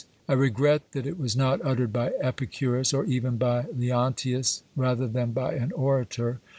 I regret that it was not uttered by Epicurus, or even by Leontius, rather than by an orator.